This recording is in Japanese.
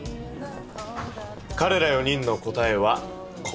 かれら４人の答えはこれ。